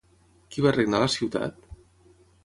Qui va regnar a la ciutat?